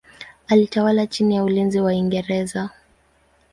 Alitawala chini ya ulinzi wa Uingereza.